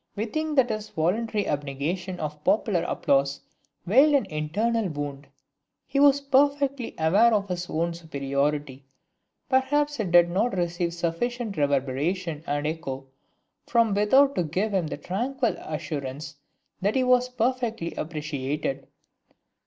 We think that his voluntary abnegation of popular applause veiled an internal wound. He was perfectly aware of his own superiority; perhaps it did not receive sufficient reverberation and echo from without to give him the tranquil assurance that he was perfectly appreciated.